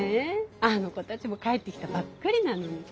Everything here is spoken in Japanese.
あの子たちも帰ってきたばっかりなのに。